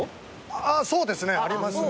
あっそうですねありますね。